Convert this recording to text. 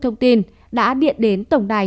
thông tin đã điện đến tổng đài